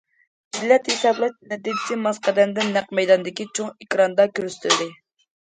بېلەت ھېسابلاش نەتىجىسى ماس قەدەمدە نەق مەيداندىكى چوڭ ئېكراندا كۆرسىتىلدى.